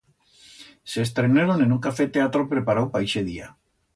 S'estreneron en un café teatro preparau pa ixe día.